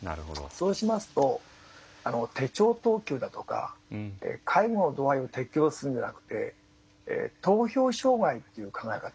そうしますと手帳等級だとか介護の度合いを適応するんじゃなくて投票障害という考え方。